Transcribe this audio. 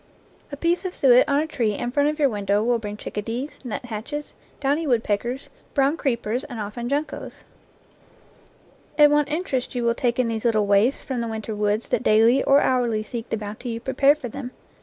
A piece of suet on a tree in front of your window will bring chicka dees, nuthatches, downy woodpeckers, brown creep ers, and often juncos. And what interest you will take in these little waifs from the winter woods that daily or hourly seek the bounty you prepare for them